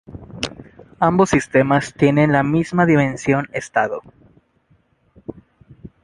Ambos sistemas tienen la misma dimensión estado.